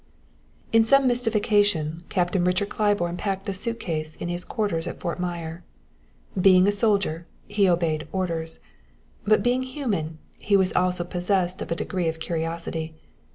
In some mystification Captain Richard Claiborne packed a suit case in his quarters at Fort Myer. Being a soldier, he obeyed orders; but being human, he was also possessed of a degree of curiosity.